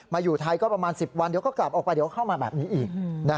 อยู่ไทยก็ประมาณ๑๐วันเดี๋ยวก็กลับออกไปเดี๋ยวเข้ามาแบบนี้อีก